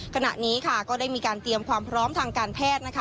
ขณะนี้ค่ะก็ได้มีการเตรียมความพร้อมทางการแพทย์นะคะ